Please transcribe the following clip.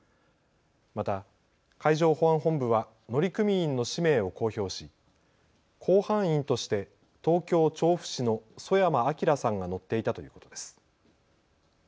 また海上保安本部は乗組員の氏名を公表し甲板員として東京調布市の曽山聖さんが乗っていたということです。